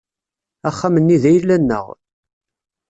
Axxam-nni d ayla-nneɣ.